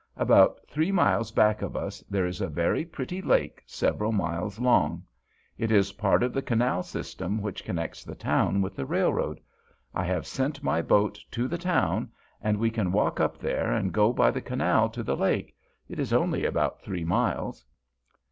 About three miles back of us there is a very pretty lake several miles long. It is part of the canal system which connects the town with the railroad. I have sent my boat to the town, and we can walk up there and go by the canal to the lake; it is only about three miles."